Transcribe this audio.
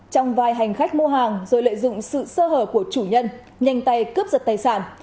trong vài hành khách mua hàng rồi lợi dụng sự sơ hở của chủ nhân nhanh tay cướp giật tài sản